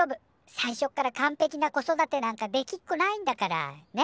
最初から完ぺきな子育てなんかできっこないんだからね。